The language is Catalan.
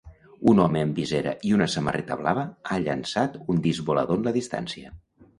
Un home amb visera i una samarreta blava ha llançat un disc volador en la distància.